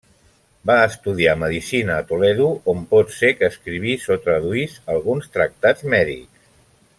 Va estudiar medicina a Toledo, on pot ser que escrivís o traduís alguns tractats mèdics.